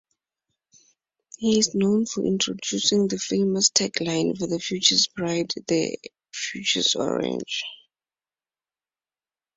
He is known for introducing the famous tag-line the future's bright, the future's Orange.